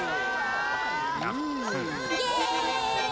イエーイ！